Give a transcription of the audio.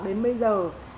đến bây giờ